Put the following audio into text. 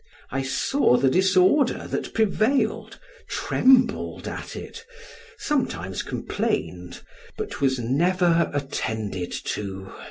I saw the disorder that prevailed, trembled at it, sometimes complained, but was never attended to.